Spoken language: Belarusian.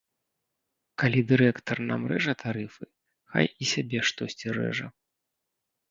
Калі дырэктар нам рэжа тарыфы, хай і сабе штосьці рэжа.